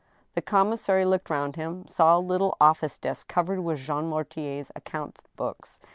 The commissary looked round him, saw a little office desk cov ered with Jean Mortier's account books.